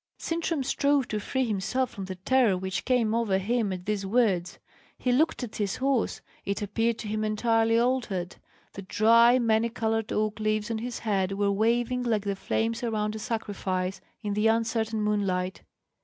Sintram strove to free himself from the terror which came over him at these words. He looked at his horse; it appeared to him entirely altered. The dry, many coloured oak leaves on its head were waving like the flames around a sacrifice, in the uncertain moonlight.